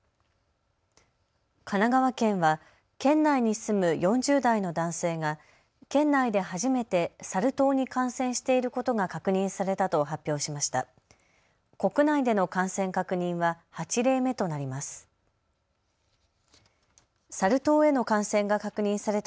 神奈川県は県内に住む４０代の男性が県内で初めてサル痘に感染していることが確認されたと発表しました。